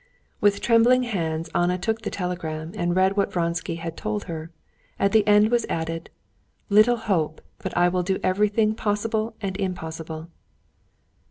With trembling hands Anna took the telegram, and read what Vronsky had told her. At the end was added: "Little hope; but I will do everything possible and impossible."